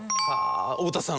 太田さん